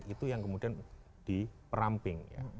itu yang kemudian diperamping